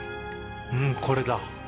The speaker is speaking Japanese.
うんこれだ。